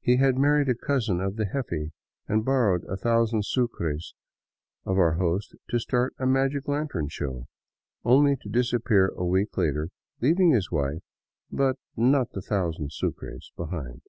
He had married a cousin of the jefe and bor rowed a thousand sucres of our host to start a magic lantern show, only to disappear a week later leaving his wife, but not the thousand sucres, behind.